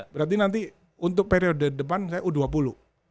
berarti nanti untuk periode depan saya u dua puluh